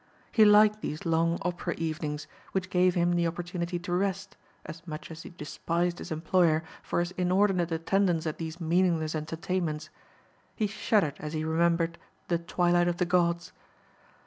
He liked these long opera evenings, which gave him the opportunity to rest, as much as he despised his employer for his inordinate attendance at these meaningless entertainments. He shuddered as he remembered "The Twilight of the Gods."